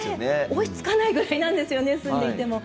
追いつかないぐらいなんですよね住んでいても。